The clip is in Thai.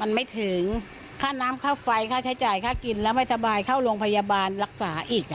มันไม่ถึงค่าน้ำค่าไฟค่าใช้จ่ายค่ากินแล้วไม่สบายเข้าโรงพยาบาลรักษาอีก